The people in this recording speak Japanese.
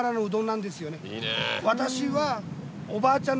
私は。